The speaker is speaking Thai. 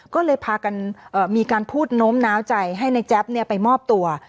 ก็เลยพากันมีการพูดโน้มน้าวใจให้ในแจ๊บไปมอบตัว